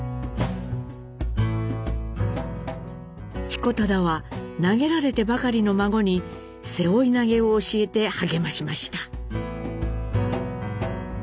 彦忠は投げられてばかりの孫に背負い投げを教えて励ましました。